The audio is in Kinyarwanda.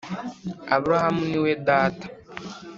Aburahamu ni we data